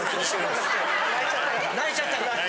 泣いちゃったから。